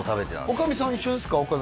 女将さんは一緒ですか？